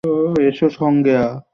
এসো, সাঙ্গেয়া।